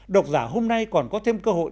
độc giả hôm nay còn có thêm cơ hội